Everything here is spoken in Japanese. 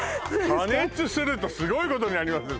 加熱するとすごいことになりますね